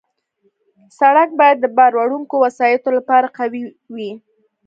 سړک باید د بار وړونکو وسایطو لپاره قوي وي.